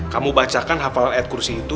kamu bacakan hafalan ayat kursi itu